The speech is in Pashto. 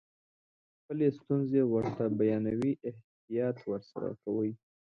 خپلې ستونزې ورته بیانوئ احتیاط ورسره کوئ.